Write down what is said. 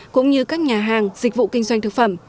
cũng như các nhà hàng dịch vụ kinh doanh thực phẩm